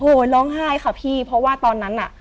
โอ้โหร้องไห้ค่ะพี่เพราะว่าตอนนั้นน่ะ